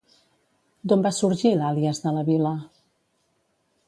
D'on va sorgir l'àlies de la vila?